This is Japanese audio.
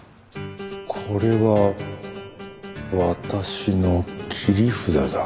「これは私の切り札だ」